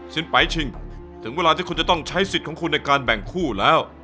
ไปชิงถึงเวลาที่คุณจะต้องใช้สิทธิ์ของคุณในการแบ่งคู่แล้ว